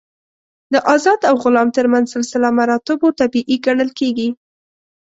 د آزاد او غلام تر منځ سلسله مراتبو طبیعي ګڼل کېږي.